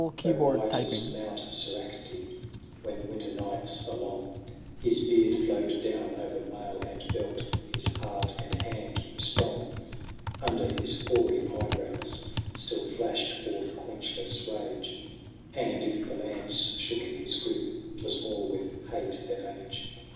Though white as Mount Soracte, When winter nights are long. His beard flowed down o'er mail and belt, His heart and hand were strong : Under his hoary eyebrows Still flashed forth quenchless rage ; And, if the lance shook in his gripe, 'Twas more with hate than age.